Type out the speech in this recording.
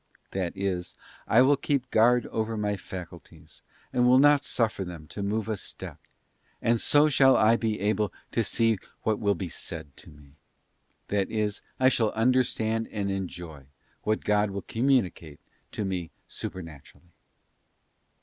'* That is, I will keep guard over my faculties, and will not suffer them to move a step, and so shall I be able to see what will be said to me; that is, I shall understand and enjoy what God will communicate to me supernaturally.